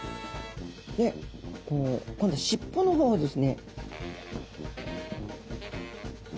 で今度尻尾の方をですね。